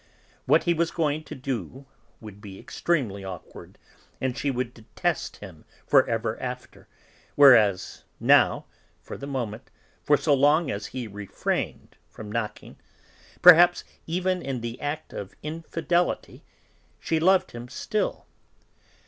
What he was going to do would be extremely awkward, and she would detest him for ever after, whereas now, for the moment, for so long as he refrained from knocking, perhaps even in the act of infidelity, she loved him still.